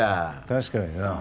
確かにな。